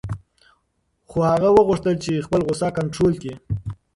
خو هغه وغوښتل چې خپله غوسه کنټرول کړي.